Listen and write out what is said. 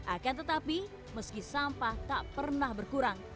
akan tetapi meski sampah tak pernah berkurang